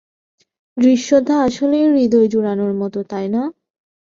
দৃশ্যটা আসলেই হৃদয় জুড়ানোর মতো, তাই না?